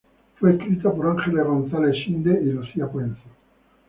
Fue escrita por Ángeles González-Sinde y Lucía Puenzo.